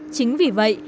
chính vì vậy